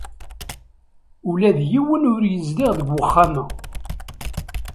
Ula d yiwen ur yezdiɣ deg wexxam-a.